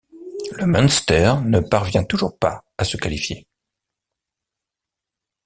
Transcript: Le Munster ne parvient toujours pas à se qualifier.